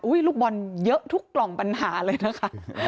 ลูกบอลเยอะทุกกล่องปัญหาเลยนะคะ